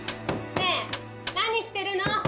ねえ何してるの！